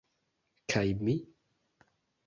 Kaj mi?